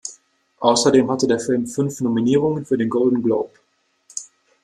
Außerdem hatte der Film fünf Nominierungen für den Golden Globe.